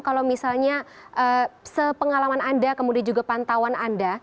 kalau misalnya sepengalaman anda kemudian juga pantauan anda